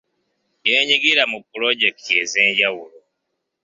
Yeenyigira mu pulojekiti ez'enjawulo.